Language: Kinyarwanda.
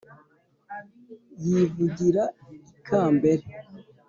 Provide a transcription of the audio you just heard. Yivugira i Kambere